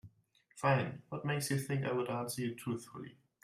Fine, what makes you think I'd answer you truthfully?